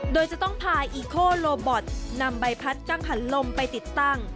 โดยจะต้องพาอีโคโลบอตนำใบพัดกั้งหันลมไปติดตั้ง